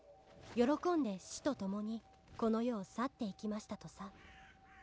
「喜んで死と共にこの世を去っていきましたとさ」